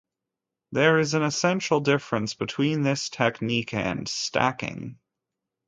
There is an essential difference between this technique and "stacking".